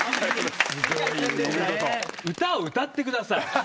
歌を歌ってください。